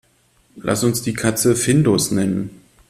Lass uns die Katze Findus nennen.